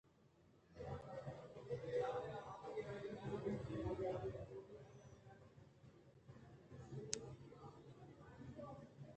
پگُانی گونیءِ نیمگ ءَ دوئیں کمکاراں چم سک داتگ اِت اَنت بلئے اُمیت ناتوام اِت اَنت کہ کسے آواں ایشانی سراوپسگ ءَکِلّیت؟